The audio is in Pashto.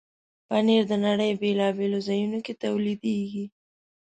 پنېر د نړۍ بیلابیلو ځایونو کې تولیدېږي.